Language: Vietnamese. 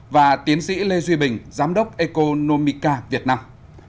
và tiến sĩ lê duy bình giám đốc economica việt nam